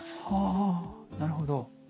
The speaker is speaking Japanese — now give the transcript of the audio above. あなるほど。